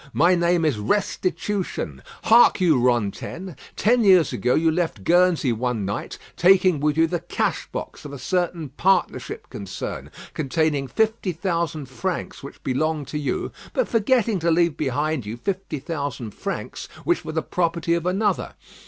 My name is Restitution. Hark you, Rantaine. Ten years ago you left Guernsey one night, taking with you the cash box of a certain partnership concern, containing fifty thousand francs which belonged to you, but forgetting to leave behind you fifty thousand francs which were the property of another.